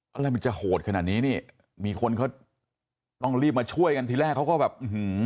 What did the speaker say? อะไรมันจะโหดขนาดนี้นี่มีคนเขาต้องรีบมาช่วยกันทีแรกเขาก็แบบอื้อหือ